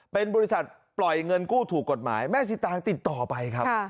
เป็นบริษัทปล่อยเงินกู้ถูกกฎหมายแม่สิตางติดต่อไปครับ